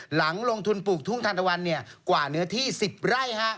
หลังลงทุนปลูกทุ่งทันตะวันกว่าเนื้อที่๑๐ไร่